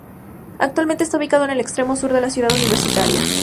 Actualmente está ubicado en el extremo sur de la ciudad universitaria.